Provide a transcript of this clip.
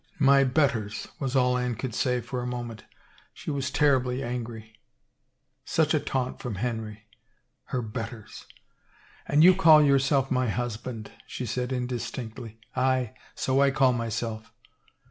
" My betters 1 " was all Anne could say for a mo ment. She was terribly angry. Such a taunt from Henry. Her betters I " And you call yourself my hus band," she said indistinctly. "Aye, so I call myself."